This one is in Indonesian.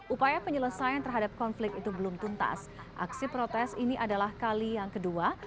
upaya penyelesaian terhadap konflik itu belum tuntas aksi protes ini adalah kali yang kedua